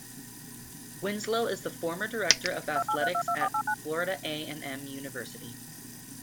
Winslow is the former director of athletics at Florida A and M University.